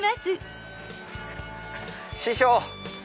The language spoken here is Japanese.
師匠！